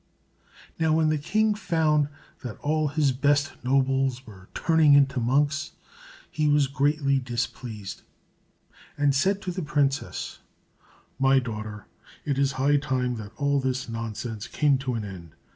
Now, when the king found that all his best nobles were turning into monks, he was greatly displeased, and said to the princess: "My daughter, it is high time that all this nonsense came to an end.